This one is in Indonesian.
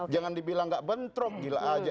jangan dibilang gak bentrok gila aja